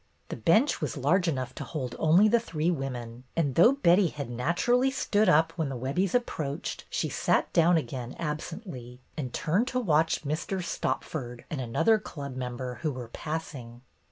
The bench was large enough to hold only the three women, and though Betty had natur ally stood up when the Webbies approached, she sat down again absently, and turned to watch Mr. Stopford and another club mem ber who were passing.